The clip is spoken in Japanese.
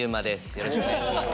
よろしくお願いします。